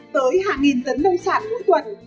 tới hàng nghìn tấn nông sản mỗi tuần